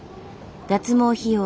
脱毛費用